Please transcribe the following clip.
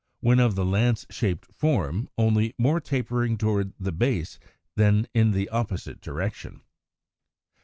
121) when of the lance shaped form, only more tapering toward the base than in the opposite direction.